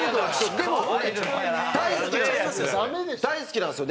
でも俺大好きなんですよ。